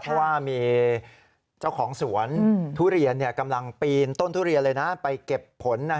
เพราะว่ามีเจ้าของสวนทุเรียนกำลังปีนต้นทุเรียนเลยนะไปเก็บผล